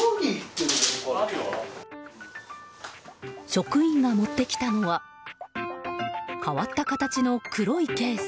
職員が持ってきたのは変わった形の黒いケース。